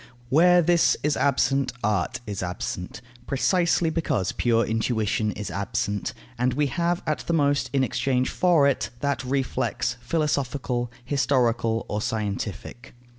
Where this is absent, art is absent, precisely because pure intuition is absent, and we have at the most, in exchange for it, that reflex, philosophical, historical, or scientific.